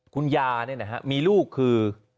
คุณยานี่นะฮะมีลูกคือ